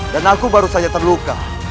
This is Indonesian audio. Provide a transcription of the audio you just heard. dan aku baru saja terluka